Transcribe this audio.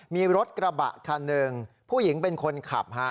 มีรถกระบะคันหนึ่งผู้หญิงเป็นคนขับฮะ